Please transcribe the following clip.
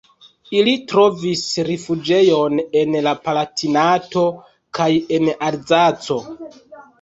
Ili trovis rifuĝejon en la Palatinato kaj en Alzaco.